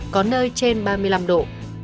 có nơi trên ba mươi năm độ